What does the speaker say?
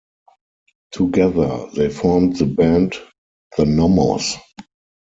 Together they formed the band "the Nommos".